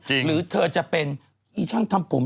แต่ว่าถ้าว่าคุณจะเป็นไอ้ช่างทำผม